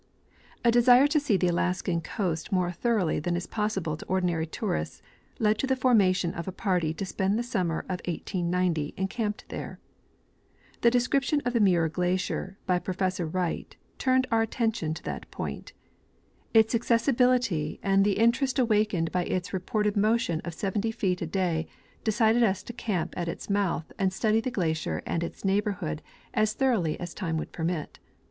A desire to see the Alaskan coast more thoroughly than is possible to ordinary tourists led to the formation of a party to spend the summer of 1890 encamped there. The description of Muir glacier by Professor Wright * turned our attention to that point. Its accessibility and the interest *The Ice Age in North America, 1889, chap. iii. Organization and Plans. 21 awakened by its reported motion of 70 feet a day decided us to camp at its mouth and study the glacier and its neighborhood as thoroughlj^ as time would permit.